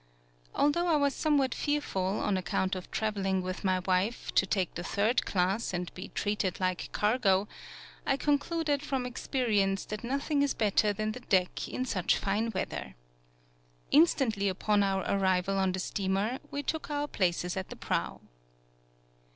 Although I was some what fearful, on account of traveling with my wife, to take the third class and be treated like cargo, I concluded from experience that nothing is better than the deck in such fine weather. In 139 PAULOWNIA stantly upon our arrival on the steamer, we took our places at the prow.